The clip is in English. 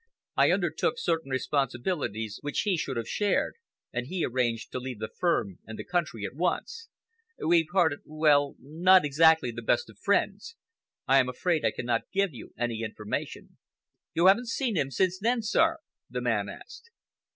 I undertook certain responsibilities which he should have shared, and he arranged to leave the firm and the country at once. We parted—well, not exactly the best of friends. I am afraid I cannot give you any information." "You haven't seen him since then, sir?" the man asked.